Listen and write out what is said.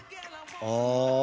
ああ！